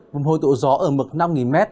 vùng hồi tụ gió ở mực năm m